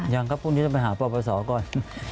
ยังครับพรุ่งนี้จะไปหาประวัติศาสตร์ก่อน